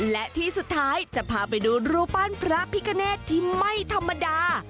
และที่สุดท้ายจะพาไปดูรูปปั้นพระพิกเนตที่ไม่ธรรมดา